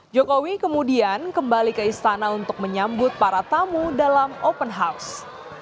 jokowi kemudian kembali ke istana untuk menyambut para tamu dalam open house